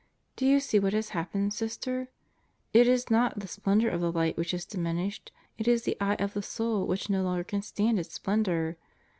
Do you see what has happened, Sister? It is not the splendor of the light which has diminished, it is the eye of the soul which no longer can stand its splendor.